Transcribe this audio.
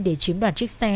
để chiếm đoàn chiếc xe